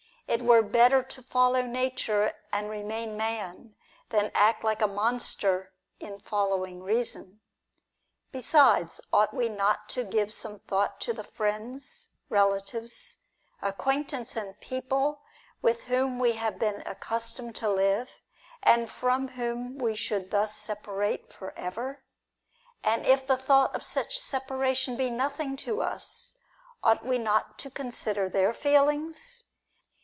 It were better to follow l^ature, and remain man, than act like a monster in following Eeason. Besides, ought we not to give some thought to the friends, relatives, acquaintance, and people with whom we have been accustomed to live, and from whom we should thus separate for ever ? And if the thought of such separation be nothing to us, ought we not to consider their feelings